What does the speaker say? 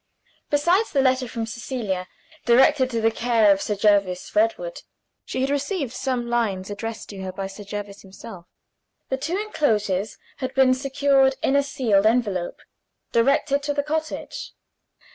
Besides the letter from Cecilia (directed to the care of Sir Jervis Redwood), she had received some lines addressed to her by Sir Jervis himself. The two inclosures had been secured in a sealed envelope, directed to the cottage.